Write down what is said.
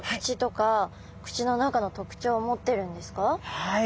はい。